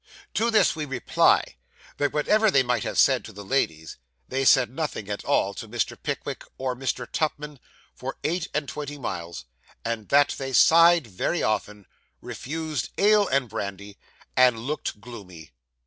To this, we reply, that whatever they might have said to the ladies, they said nothing at all to Mr. Pickwick or Mr. Tupman for eight and twenty miles, and that they sighed very often, refused ale and brandy, and looked gloomy.